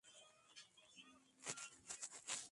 Este hecho es un síntoma renacentista claro.